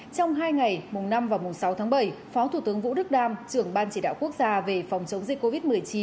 trong hai ngày mùng năm và mùng sáu tháng bảy phó thủ tướng vũ đức đam trưởng ban chỉ đạo quốc gia về phòng chống dịch covid một mươi chín